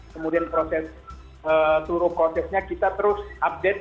kemudian proses seluruh prosesnya kita terus update